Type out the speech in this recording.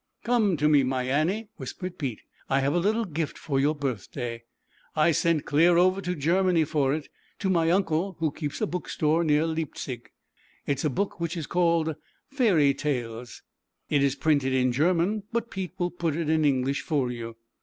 " Come to me, my Annie," whispered Pete, " I have a little gift for your birthday. I sent clear over to Germany for it, to my uncle, who keeps a book store near Leipzig. It is a book which is called < Fairy Tales.' It is printed in German, but Pete will put it in English for you."